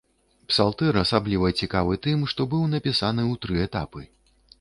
Псалтыр асабліва цікавы тым, што быў напісаны ў тры этапы.